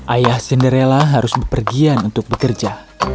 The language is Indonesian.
ayah cinderella harus berpergian untuk bekerja